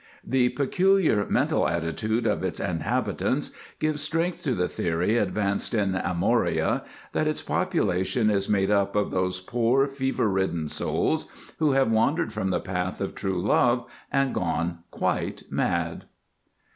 The peculiar mental attitude of its inhabitants gives strength to the theory advanced in Amoria that its population is made up of those poor fever ridden souls who have wandered from the Path of True Love and gone quite mad.